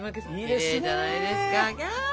きれいじゃないですか！